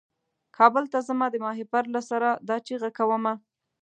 کابل ته ځمه د ماهیپر له سره دا چیغه کومه.